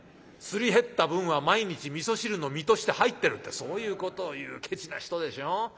すり減った分は毎日味噌汁の実として入ってる』ってそういうことを言うケチな人でしょ。